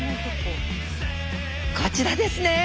こちらですね。